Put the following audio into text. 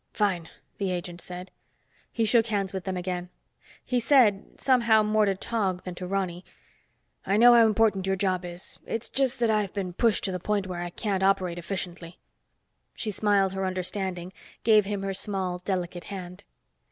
"Fine," the agent said. He shook hands with them again. He said, somehow more to Tog than to Ronny, "I know how important your job is. It's just that I've been pushed to the point where I can't operate efficiently." She smiled her understanding, gave him her small, delicate hand.